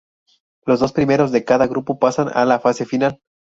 Los dos primeros de cada grupo pasan a la fase final.